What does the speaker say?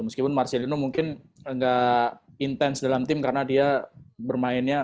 meskipun marcelino mungkin nggak intens dalam tim karena dia bermainnya